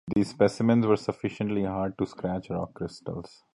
These specimens were sufficiently hard to scratch rock-crystal.